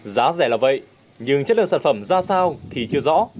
giá rẻ là vậy nhưng chất lượng sản phẩm ra sao thì chưa rõ